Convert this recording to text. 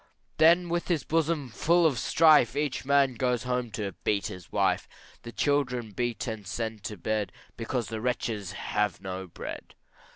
Then with his bosom full of strife, Each man goes home to beat his wife, The children beat and sent to bed, Because the wretches have no bread.